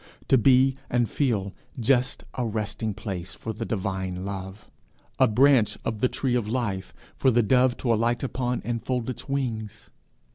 to be and feel just a resting place for the divine love a branch of the tree of life for the dove to alight upon and fold its wings!